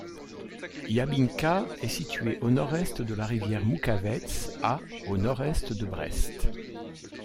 Jabinka est située au nord de la rivière Moukhavets, à au nord-est de Brest.